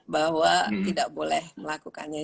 bahwa tidak boleh melakukannya